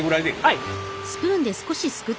はい。